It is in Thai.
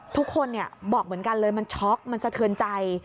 ทุกคนบอกเหมือนกันเลยมันช็อกมันสะเทือนใจ